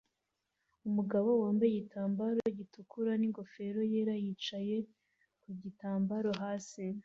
Umugabo wambaye igitambaro gitukura n'ingofero yera yicaye ku gitambaro hasi